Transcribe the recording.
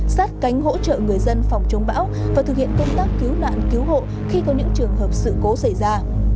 sát cánh hỗ trợ người dân phòng chống bão và thực hiện công tác cứu nạn cứu hộ khi có những trường hợp sự cố xảy ra